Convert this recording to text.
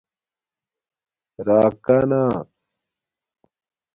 راکا نا